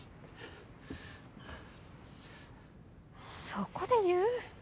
そこで言う？